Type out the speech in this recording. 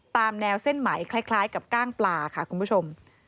ตามแนวเส้นไหมคล้ายกับกล้างปลาค่ะคุณผู้ชม